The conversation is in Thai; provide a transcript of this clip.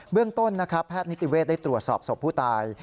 เบื้องต้นแพทย์นิติเวทได้ตรวจสอบสบผู้ตาย